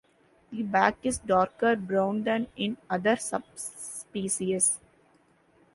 The back is darker brown than in other subspecies.